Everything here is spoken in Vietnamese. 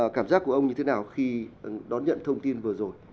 cảm giác của ông như thế nào khi đón nhận thông tin vừa rồi